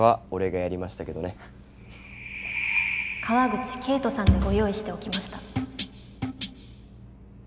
「川口圭人さん」でご用意しておきました。